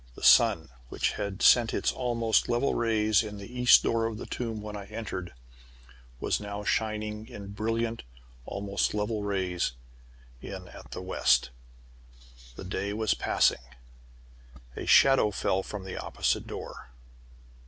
The sun, which had sent its almost level rays in at the east door of the tomb when I entered, was now shining in brilliant almost level rays in at the west. The day was passing. A shadow fell from the opposite door.